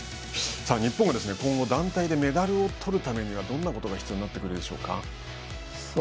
日本が今後、団体でメダルを取るためにはどんなことが必要になってくるでしょうか？